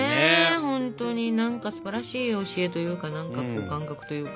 本当に何かすばらしい教えというか何か感覚というか。